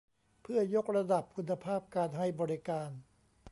เพื่อยกระดับคุณภาพการให้บริการ